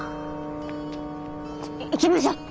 行きましょう！